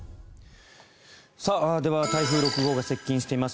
では台風６号が接近しています